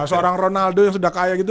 seorang ronaldo yang sudah kaya gitu